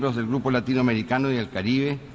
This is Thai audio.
ขอบคุณครับ